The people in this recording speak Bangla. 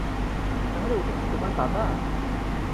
তাহলে ওটা কি তোমার বাবা?